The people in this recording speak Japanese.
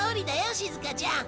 しずかちゃん。